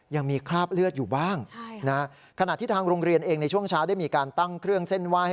ยังมีคราบเลือดอยู่บ้างขณะที่ทางโรงเรียนเองในช่วงเช้าได้มีการตั้งเครื่องเส้นไหว้